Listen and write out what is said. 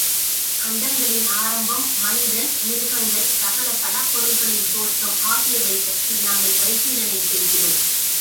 அண்டங்களின் ஆரம்பம், மனிதன், மிருகங்கள், சகல சடப்பொருள்களின் தோற்றம் ஆகியவை பற்றி நாங்கள் பரிசீலனை செய்கிறோம்.